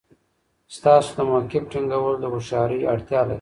ستاسو د موقف ټینګول د هوښیارۍ اړتیا لري.